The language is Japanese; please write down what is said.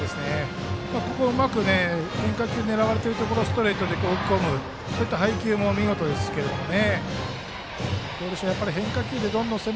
ここをうまく変化球狙われているところストレートで追い込む配球も見事ですけどね。